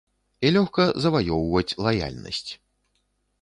І лёгка заваёўваць лаяльнасць.